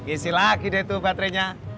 isi lagi deh itu baterainya